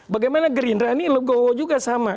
bagaimana gerindra ini legowo juga sama